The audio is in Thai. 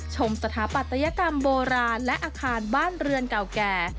สถาปัตยกรรมโบราณและอาคารบ้านเรือนเก่าแก่